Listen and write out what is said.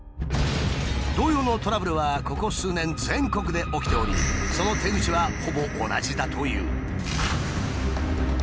同様のトラブルはここ数年全国で起きておりその手口はほぼ同じだという。